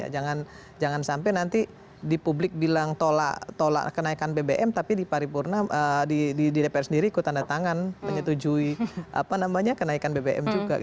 jangan sampai nanti di publik bilang tolak kenaikan bbm tapi di dpr sendiri ikut tanda tangan menyetujui kenaikan bbm juga